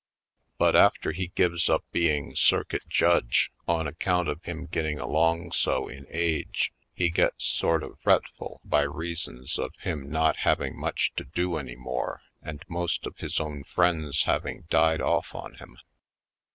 But after he gives up being circuit judge on account of him getting along so in age he gets sort of fretful by reasons of him not having much to do any more and most of his own friends having died ofif on him.